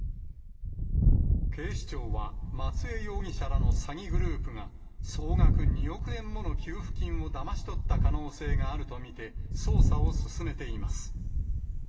警視庁は、松江容疑者らの詐欺グループが、総額２億円もの給付金をだまし取った可能性があると見て、捜査を進めています。